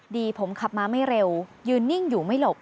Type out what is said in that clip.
ดีผมขับมาไม่เร็วยืนนิ่งอยู่ไม่หลบ